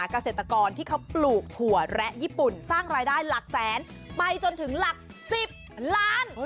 เกษตรกรที่เขาปลูกถั่วและญี่ปุ่นสร้างรายได้หลักแสนไปจนถึงหลัก๑๐ล้าน